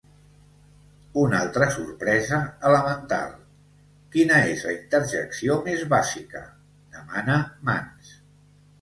Una altra sorpresa elemental: "Quina és la interjecció més bàsica?", demana Mans.